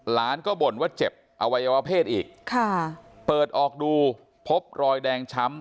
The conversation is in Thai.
หลานก็บ่นว่าเจ็บอวัยวะเพศอีกค่ะเปิดออกดูพบรอยแดงช้ำ